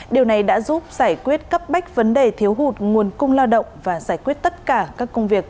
điều này đã giúp giải quyết cấp bách vấn đề thiếu hụt nguồn cung lao động và giải quyết tất cả các công việc